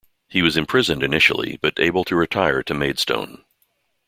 He was imprisoned initially but able to retire to Maidstone.